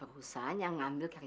aku bilang keluar